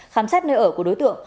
khám xét nơi ở của đối tượng